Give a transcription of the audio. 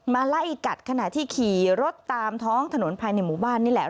ไล่กัดขณะที่ขี่รถตามท้องถนนภายในหมู่บ้านนี่แหละ